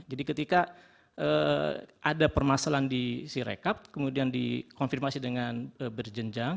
jadi ketika ada permasalahan di si recap kemudian dikonfirmasi dengan berjenjang